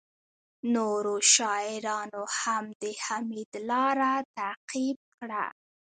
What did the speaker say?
نورو شاعرانو هم د حمید لاره تعقیب کړه